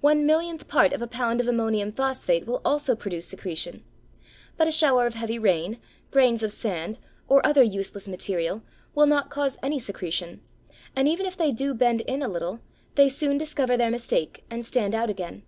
One millionth part of a pound of ammonium phosphate will also produce secretion. But a shower of heavy rain, grains of sand, or other useless material, will not cause any secretion, and even if they do bend in a little, they soon discover their mistake and stand out again.